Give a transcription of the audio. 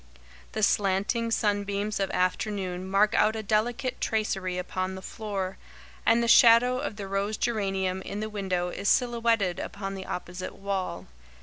The slanting sunbeams of afternoon mark out a delicate tracery upon the floor, and the shadow of the rose geranium in the window is silhouetted upon the opposite wall.